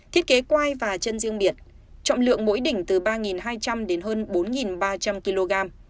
thiết kế quai và chân riêng biệt trọng lượng mỗi đỉnh từ ba hai trăm linh đến hơn bốn ba trăm linh kg